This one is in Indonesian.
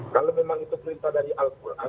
kalau memang itu perintah dari al quran